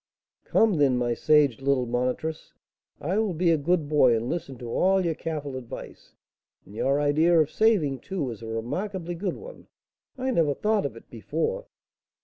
"Come, then, my sage little monitress, I will be a good boy, and listen to all your careful advice. And your idea of saving, too, is a remarkably good one; I never thought of it before."